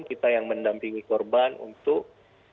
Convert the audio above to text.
kita yang mendampingi korban untuk